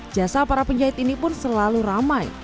jasa para penjahit ini pun selalu ramai